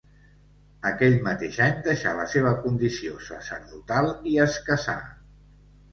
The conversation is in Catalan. Aquell mateix any deixà la seva condició sacerdotal i es casà.